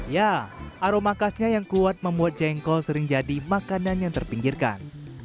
ya aroma khasnya yang kuat membuat jengkol sering jadi makanan yang terpinggirkan